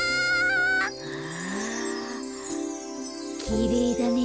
きれいだね。